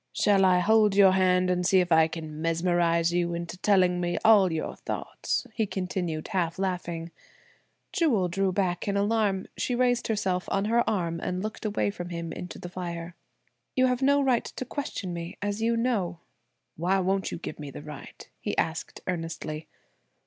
Shall I hold your hand, and see if I can mesmerize you into telling me all your thoughts?" he continued half laughing. Jewel drew back in alarm. She raised herself on her arm and looked away from him into the fire. "You have no right to question me as you know." "Why won't you give me the right?" he asked earnestly.